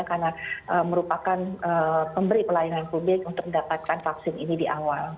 karena merupakan pemberi pelayanan publik untuk mendapatkan vaksin ini di awal